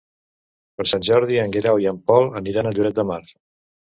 Per Sant Jordi en Guerau i en Pol aniran a Lloret de Mar.